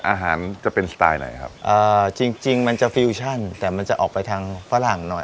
อาหารจะเป็นสไตล์ไหนครับอ่าจริงจริงมันจะฟิวชั่นแต่มันจะออกไปทางฝรั่งหน่อย